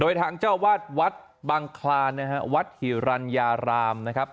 โดยทางเจ้าวาดวัดบังคลานนะฮะวัดหิรัญญารามนะครับ